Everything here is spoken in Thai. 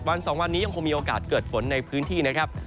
๒วันนี้ยังคงมีโอกาสเกิดฝนในพื้นที่นะครับ